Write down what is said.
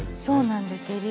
そうなんです。